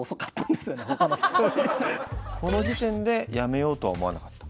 この時点でやめようとは思わなかった？